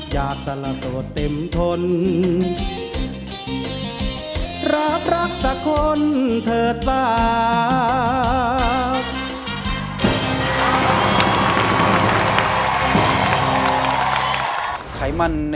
อยากสละโสเต็มทน